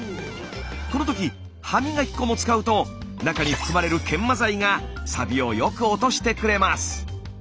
この時歯磨き粉も使うと中に含まれる研磨剤がサビをよく落としてくれます。